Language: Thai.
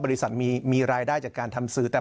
บริษัทมีรายได้จากการทำสื่อ